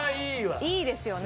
いいですよね。